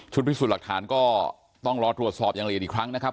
พิสูจน์หลักฐานก็ต้องรอตรวจสอบอย่างละเอียดอีกครั้งนะครับ